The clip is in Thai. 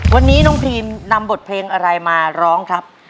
วันนี้น้องพรีมนำบทเพลงอะไรมาร้องครับ